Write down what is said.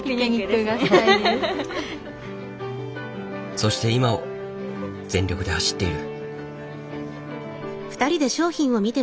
そして今を全力で走っている。